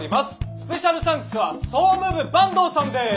スペシャルサンクスは総務部坂東さんです！